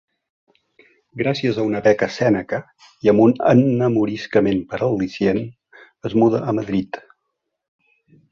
Gràcies a una beca Sèneca i amb un enamoriscament per al·licient, es muda a Madrid.